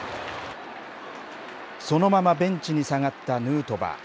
そのままベンチに下がったヌートバー。